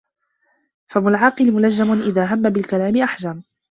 فَمُ الْعَاقِلِ مُلَجَّمٌ إذَا هَمَّ بِالْكَلَامِ أَحْجَمَ